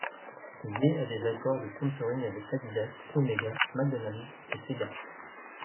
Gay a des accords de sponsoring avec Adidas, Omega, McDonald's et Sega.